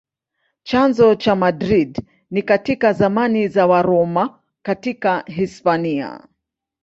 Chanzo cha Madrid ni katika zamani za Waroma katika Hispania.